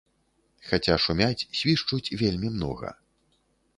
Хаця шумяць, свішчуць вельмі многа.